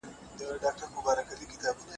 ملکیار یوه خیالي دنیا په خپله سندره کې جوړه کړې.